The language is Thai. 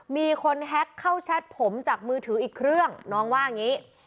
มีคนแฮ็กเข้าแชทผมจากมือถืออีกเครื่องน้องว่าอย่างนี้